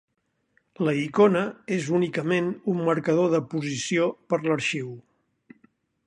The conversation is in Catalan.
La icona és únicament un marcador de posició per l'arxiu.